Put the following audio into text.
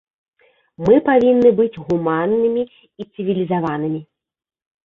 Мы павінны быць гуманнымі і цывілізаванымі.